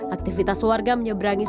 aktivitas warga menyebrangi sungai